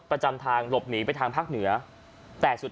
พี่บ้านไม่อยู่ว่าพี่คิดดูด